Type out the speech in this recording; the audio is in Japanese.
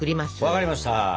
分かりました！